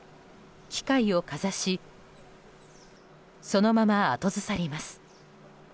機械をかざしそのまま後ずさります。